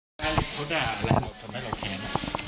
เขาได้อะไรทำให้เราแท้